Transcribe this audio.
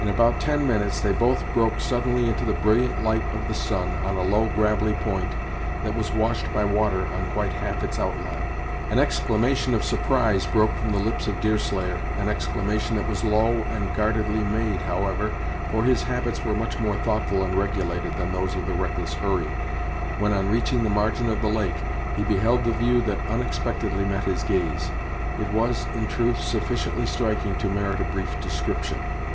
In about ten minutes they both broke suddenly into the brilliant light of the sun, on a low gravelly point, that was washed by water on quite half its outline. An exclamation of surprise broke from the lips of Deerslayer, an exclamation that was low and guardedly made, however, for his habits were much more thoughtful and regulated than those of the reckless Hurry, when on reaching the margin of the lake, he beheld the view that unexpectedly met his gaze. It was, in truth, sufficiently striking to merit a brief description.